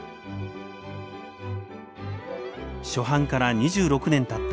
初版から２６年たった